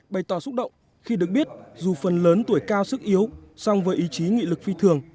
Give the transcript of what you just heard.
bày tỏ xúc động khi được biết dù phần lớn tuổi cao sức yếu song với ý chí nghị lực phi thường